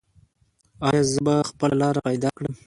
ایا زه به خپله لاره پیدا کړم؟